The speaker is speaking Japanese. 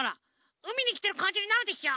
うみにきてるかんじになるでしょ？